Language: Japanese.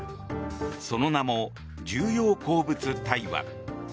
その名も重要鉱物対話。